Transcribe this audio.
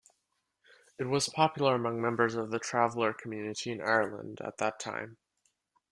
It was popular among members of the Traveller community in Ireland at that time.